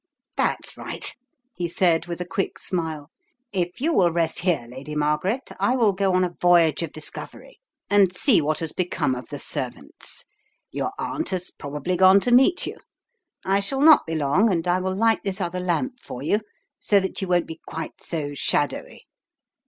"That's right," he said with a quick smile. "If you will rest here, Lady Margaret, I will go on a voyage of discovery, and see what has become of the servants. Your aunt has probably gone to meet you. I shall not be long and I will light this other lamp for you so that you won't be quite so shadowy.